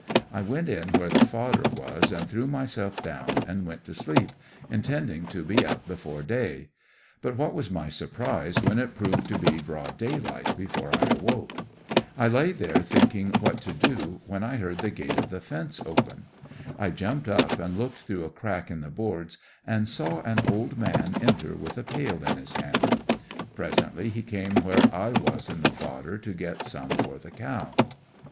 I went m where the fodder was and threw myself down and went to sleep, in tending to be up before day ; but what was my surprise when it prov A DARING ESCAPE, 169 ed to be broad daylight before I awoke. I lay there thinking what to do, when I heard the gate of the fence open. I jumped up and looked through a crack in the boards and saw an old man enter with a pail in his hand. Presently he came where I was in the fodder to get some for the cow.